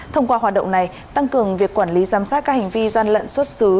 thông qua hoạt động này tăng cường việc quản lý giám sát các hành vi gian lận xuất xứ